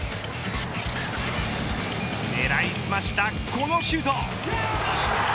狙いすましたこのシュート。